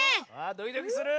ドキドキする！